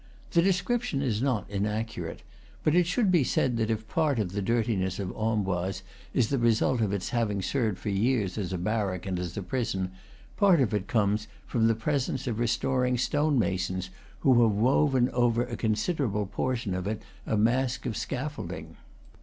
The description is not inaccurate; but it should be said that if part of the dirtiness of Amboise is the result of its having served for years as a barrack and as a prison, part of it comes from the presence of restoring stone masons, who have woven over a considerable portion of it a mask of scaffolding.